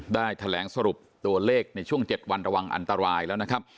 ได้แถลงสรุปตัวเลขในช่วง๗วันระวังอันตรายแล้วนะครับ